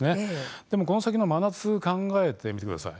でも、この先の真夏を考えてみてください。